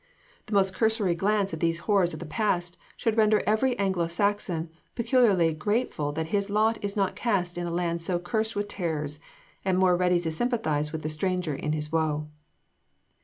The most cursory glance at these horrors of the past should render every Anglo Saxon peculiarly grateful that his lot is not cast in a land so cursed with terrors, and more ready to sympathize with the stranger in his woe.